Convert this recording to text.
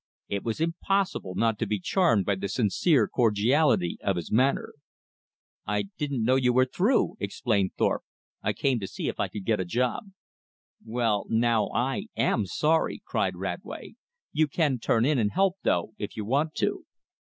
It was impossible not to be charmed by the sincere cordiality of his manner. "I didn't know you were through," explained Thorpe, "I came to see if I could get a job." "Well now I AM sorry!" cried Radway, "you can turn in and help though, if you want to."